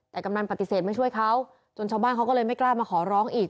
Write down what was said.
แต่กำนันปฏิเสธไม่ช่วยเขาจนชาวบ้านเขาก็เลยไม่กล้ามาขอร้องอีก